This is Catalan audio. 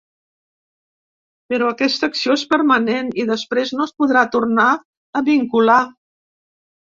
Però aquesta acció és permanent i després no es podrà tornar a vincular.